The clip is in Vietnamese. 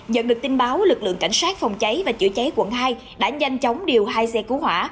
nhận được tin báo lực lượng cảnh sát phòng cháy và chữa cháy quận hai đã nhanh chóng điều hai xe cứu hỏa